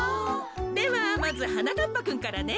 ではまずはなかっぱくんからね。